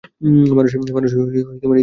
মানুষের ইতিহাসটাই এইরকম।